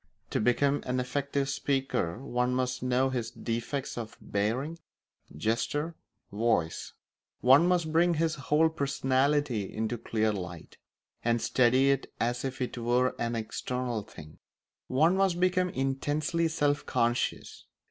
To become an effective speaker one must know his defects of bearing, gesture, voice; one must bring his whole personality into clear light, and study it as if it were an external thing; one must become intensely self conscious.